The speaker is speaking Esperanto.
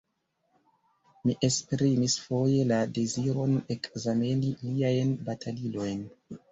Mi esprimis foje la deziron ekzameni liajn batalilojn.